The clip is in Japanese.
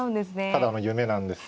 ただの夢なんです。